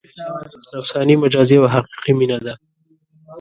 نفساني، مجازي او حقیقي مینه ده.